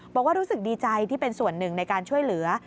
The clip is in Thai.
บอกว่ารู้สึกดีใจที่เป็นส่วนหนึ่งในการช่วยเหลือ